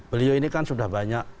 beliau ini kan sudah banyak